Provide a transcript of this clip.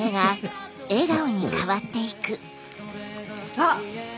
あっ！